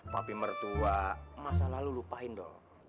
papi mertua masa lalu lupain dong